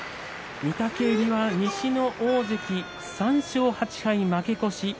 御嶽海は西の大関、３勝８敗負け越しです。